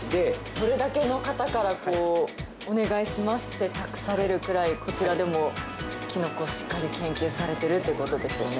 それだけの方からお願いしますって託されるくらいこちらでも、キノコをしっかり研究されているってことですよね？